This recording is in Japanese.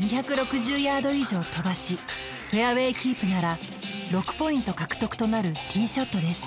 ２６０ヤード以上飛ばしフェアウェイキープなら６ポイント獲得となるティーショットです